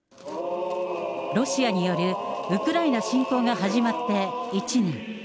ロシアによるウクライナ侵攻が始まって１年。